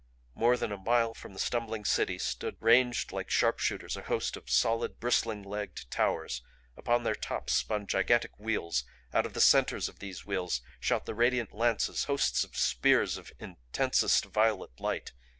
More than a mile from the stumbling City stood ranged like sharpshooters a host of solid, bristling legged towers. Upon their tops spun gigantic wheels. Out of the centers of these wheels shot the radiant lances, hosts of spears of intensest violet light.